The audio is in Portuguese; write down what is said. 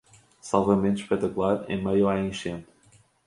Salvamento espetacular em meio à enchente